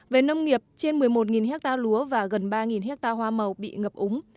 về nông nghiệp trên một mươi một ha lúa và gần ba ha hoa màu bị ngập úng